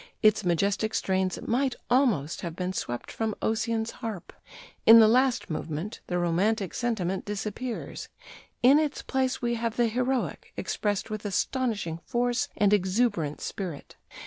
Its majestic strains might almost have been swept from Ossian's harp." In the last movement "the romantic sentiment disappears. In its place we have the heroic expressed with astonishing force and exuberant spirit."